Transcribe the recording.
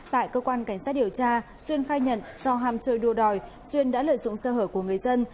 tại cơ quan cảnh sát điều tra xuyên khai nhận do ham chơi đua đòi duyên đã lợi dụng sơ hở của người dân